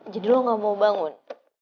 jadi lo gak mau bangun